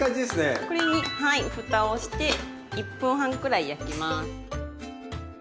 これにふたをして１分半くらい焼きます。